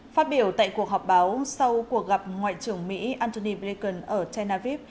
phát biểu tại cuộc họp báo sau cuộc gặp ngoại trưởng mỹ antony blinken ở tel aviv